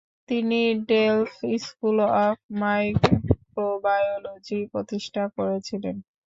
তিনি Delft school of microbiology প্রতিষ্ঠা করেছিলেন।